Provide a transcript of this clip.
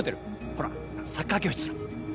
ほらサッカー教室の。